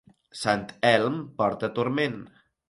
Sant Elm porta turment.